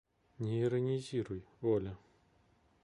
Не иронизируй, Оля.